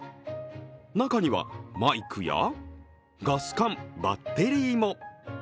中には、マイクやガス缶、バッテリーも。